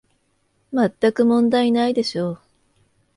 まったく問題ないでしょう